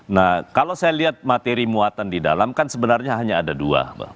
nah kalau saya lihat materi muatan di dalam kan sebenarnya hanya ada dua